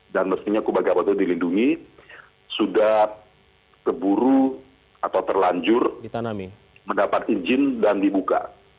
dan mestinya kubah gambut itu dilindungi sudah keburu atau terlanjur mendapat izin dan dibuka